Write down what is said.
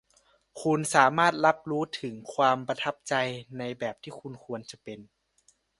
คุณสามารถรับรู้ถึงความประทับใจในแบบที่ควรจะเป็น